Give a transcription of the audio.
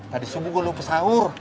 tadi subuh gue lupa sahur